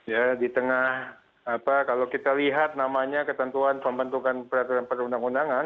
ya di tengah apa kalau kita lihat namanya ketentuan pembentukan peraturan perundang undangan